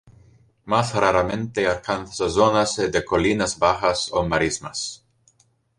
Más raramente alcanza zonas de colinas bajas o marismas.